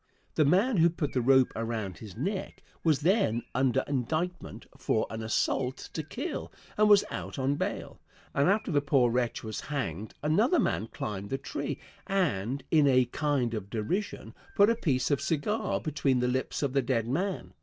The man who put the rope around his neck was then under indictment for an assault to kill and was out on bail, and after the poor wretch was hanged another man climbed the tree and, in a kind of derision, put a piece of cigar between the lips of the dead man.